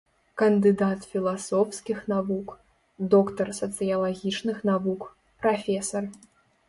Кандыдат філасофскіх навук, доктар сацыялагічных навук, прафесар.